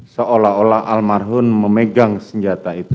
seolah olah almarhum memegang senjata itu